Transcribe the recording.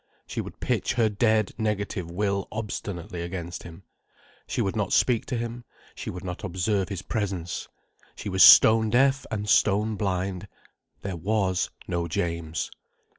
She would pitch her dead negative will obstinately against him. She would not speak to him, she would not observe his presence, she was stone deaf and stone blind: there was no James.